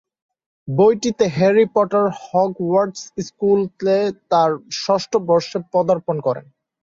বইটিতে Harry Potter Hogwarts স্কুলে তার ষষ্ঠ বর্ষে পদার্পণ করে।